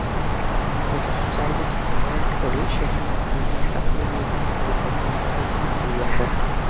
অথচ জায়গাটি ভরাট করে সেখানে বাণিজ্যিক স্থাপনা নির্মাণের পরিকল্পনা করছেন আবুল বাশার।